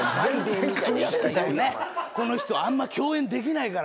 この人あんま共演できないから。